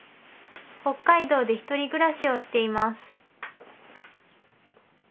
北海道で１人暮らしをしています